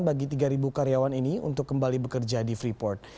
bagi tiga karyawan ini untuk kembali bekerja di freeport